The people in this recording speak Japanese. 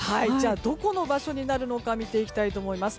どこの場所になるのか見ていきたいと思います。